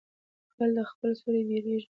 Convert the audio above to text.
غل د خپله سوري بيرېږي.